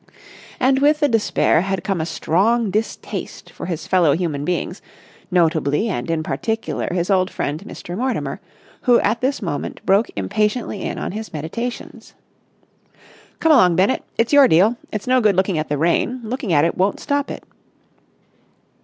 And with the despair had come a strong distaste for his fellow human beings, notably and in particular his old friend Mr. Mortimer, who at this moment broke impatiently in on his meditations. "Come along, Bennett. It's your deal. It's no good looking at the rain. Looking at it won't stop it."